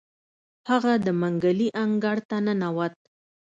هغه د منګلي انګړ ته ننوت.